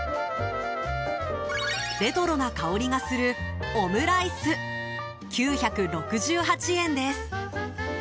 レトロな香りがするオムライス、９６８円です。